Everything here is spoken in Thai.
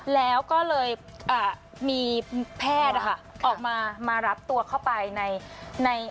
แล้วก็เลยอ่ามีแพทย์นะคะออกมามารับตัวเข้าไปในใน